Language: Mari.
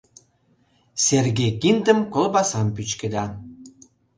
Серге киндым, колбасам пӱчкеда.